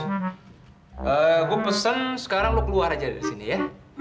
eee gue pesen sekarang lu keluar aja dari sini ya